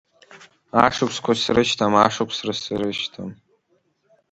Ашықәсқәа срышьҭам, ашықәсқәа срышьҭам.